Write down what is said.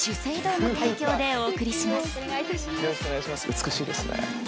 美しいですね。